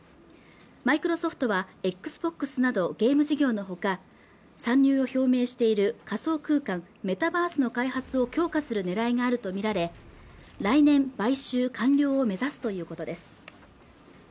マイクロソフトはＸＢＯＸなどゲーム事業のほか参入を表明している仮想空間メタバースの開発を強化するねらいがあると見られ来年買収完了を目指すということです